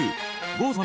郷さん